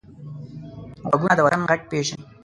غوږونه د وطن غږ پېژني